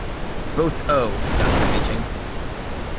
Both Oh, Doctor Beeching!